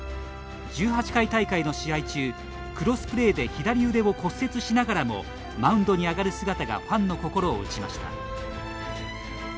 １８回大会の試合中クロスプレーで左腕を骨折しながらもマウンドに上がる姿がファンの心を打ちました。